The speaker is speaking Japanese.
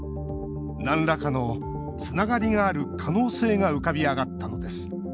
なんらかのつながりがある可能性が浮かび上がったのです。